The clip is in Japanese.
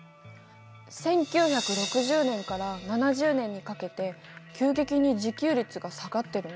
１９６０年から７０年にかけて急激に自給率が下がってるね。